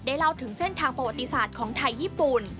เล่าถึงเส้นทางประวัติศาสตร์ของไทยญี่ปุ่น